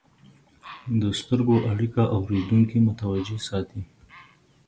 د سترګو اړیکه اورېدونکي متوجه ساتي.